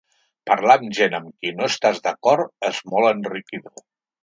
Parlar amb gent amb qui no estàs d’acord és molt enriquidor.